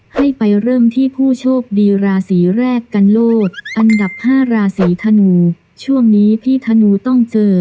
ให้ไปเริ่มที่ผู้โชคดีราศีแรกกันโลศอันดับ๕ราศีธนูช่วงนี้พี่ธนูต้องเจอ